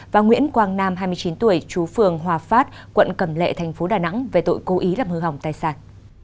và nguyễn quang nam hai mươi chín tuổi chú phường hòa phát quận cầm lệ tp đà nẵng về tội cố ý lập hư hỏng tài sản